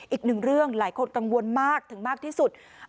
อีกหนึ่งเรื่องหลายคนกังวลมากถึงมากที่สุด